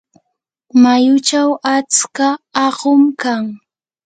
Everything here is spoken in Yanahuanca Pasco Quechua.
mayuchaw atska aqum kan.